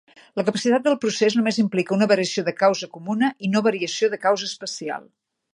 La capacitat del procés només implica una variació de causa comuna i no variació de causa especial.